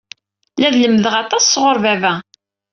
La d-lemmdeɣ aṭas sɣur baba.